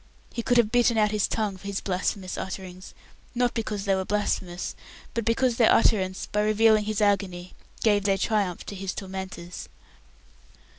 He could have bitten out his tongue for his blasphemous utterings not because they were blasphemous, but because their utterance, by revealing his agony, gave their triumph to his tormentors.